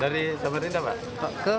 dari samarinda pak